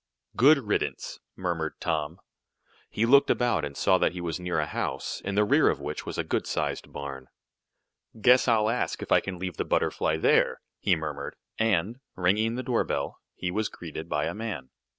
"Good riddance," murmured Tom. He looked about, and saw that he was near a house, in the rear of which was a good sized barn. "Guess I'll ask if I can leave the Butterfly there," he murmured, and, ringing the doorbell, he was greeted by a man.